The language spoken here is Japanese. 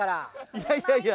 いやいやいや。